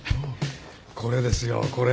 これですよこれ。